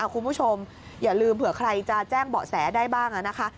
คุณผู้ชมอย่าลืมเผื่อใครจะแจ้งเบาะแสได้บ้างนะคะ